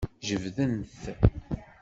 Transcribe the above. Jebden-t.